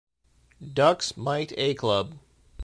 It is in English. Ducks Mite A club.